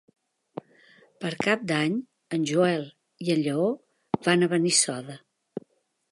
Per Cap d'Any en Joel i en Lleó van a Benissoda.